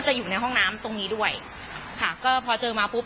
ตอนนี้อินฟุน